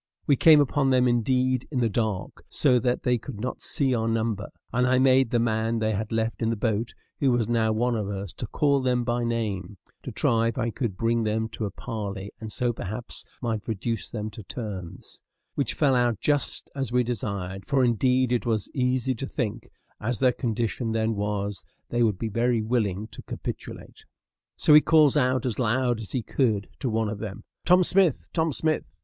We came upon them, indeed, in the dark, so that they could not see our number; and I made the man they had left in the boat, who was now one of us, to call them by name, to try if I could bring them to a parley, and so perhaps might reduce them to terms; which fell out just as we desired, for indeed it was easy to think, as their condition then was, they would be very willing to capitulate. So he calls out as loud as he could to one of them, "Tom Smith! Tom Smith!"